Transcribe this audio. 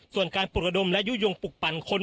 ส่วนการปกดมและยุยงปกปั่นคน